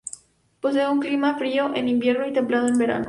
Posee un clima frío en invierno y templado en verano.